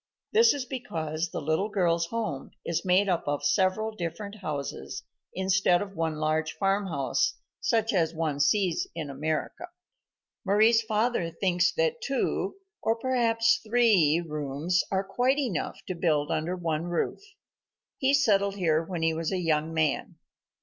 This is because the little girl's home is made up of several different houses, instead of one large farmhouse, such as one sees in America. Mari's father thinks that two, or perhaps three, rooms are quite enough to build under one roof. He settled here when he was a young man.